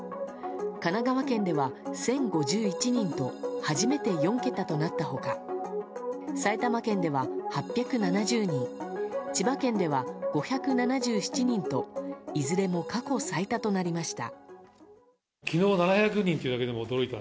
神奈川県では１０５１人と初めて４桁となったほか埼玉県では８７０人千葉県では５７７人といずれも過去最多となりました。